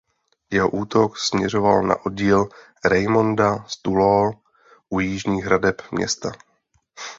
Jeho útok směřoval na oddíl Raimonda z Toulouse u jižních hradeb města.